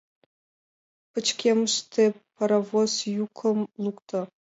Пычкемыште паровоз йӱкым лукто.